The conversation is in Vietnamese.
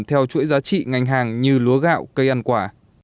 theo chuỗi giá trị ngành hàng như lúa gạo cây ăn quả